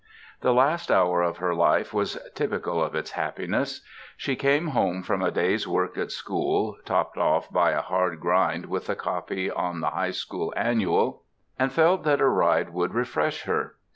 The last hour of her life was typical of its happiness. She came home from a day's work at school, topped off by a hard grind with the copy on the High School Annual, and felt that a ride would refresh her.